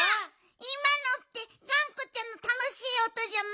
いまのってがんこちゃんのたのしいおとじゃない？